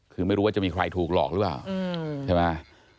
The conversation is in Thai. คือไม่รู้ว่าจะมีใครถูกหลอกหรือเปล่าใช่ไหม